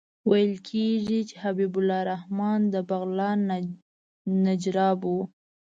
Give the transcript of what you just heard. ویل کېږي چې حبیب الرحمن د بغلان د نجراب وو.